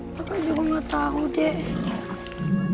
bapak juga gak tau dek